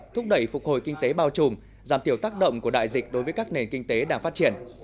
thúc đẩy phục hồi kinh tế bao trùm giảm thiểu tác động của đại dịch đối với các nền kinh tế đang phát triển